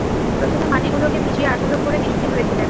প্রথমে মাটিগুলোকে ভিজিয়ে আটালো করে কিছু দিন রেখে দেন।